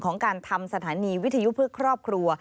ของการทำสถานีวิทยุเพื่อครอบครัว